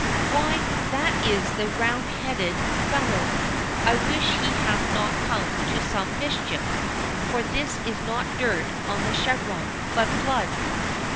Why, that is the roundheaded fellow—I wish he hath not come to some mischief, for this is not dirt on the cheveron, but blood.